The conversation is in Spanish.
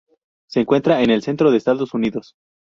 Se encuentra en el centro de Estados Unidos.